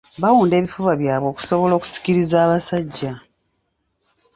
Bawunda ebifuba byabwe okusobola okusikiriza abasajja.